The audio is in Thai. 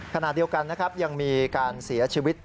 ขณะเดียวกันนะครับยังมีการเสียชีวิต